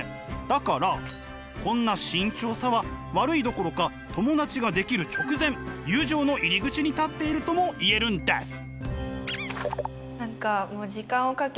だからこんな慎重さは悪いどころか友達ができる直前友情の入り口に立っているとも言えるんです！